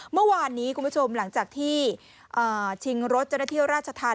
เมื่อวานนี้คุณผู้ชมหลังจากที่ชิงรถเจ้าหน้าที่ราชธรรม